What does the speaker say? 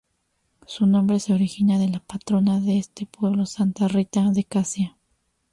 Su nombre se origina de la patrona de este pueblo Santa Rita de Casia.